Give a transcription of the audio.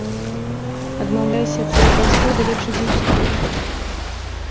Адмаўляйся ад сваіх бацькоў ды лепш ідзі ў ціхі манастыр.